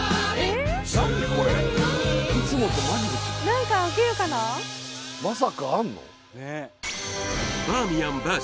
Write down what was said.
何か起きるかなまさかあんの？